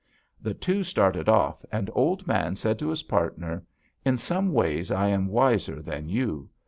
"The two started off, and Old Man said to his partner, 'In some ways I am wiser than you.